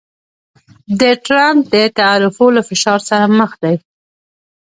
د ټرمپ د تعرفو له فشار سره مخ دی